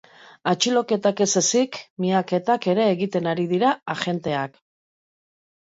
Atxiloketak ez ezik, miaketak ere egiten ari dira agenteak.